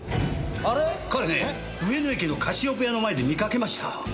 彼ね上野駅のカシオペアの前で見かけました。